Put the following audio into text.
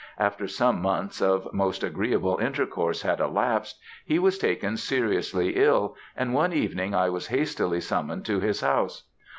After some months of most agreeable intercourse had elapsed, he was taken seriously ill, and one evening I was hastily summoned to his house.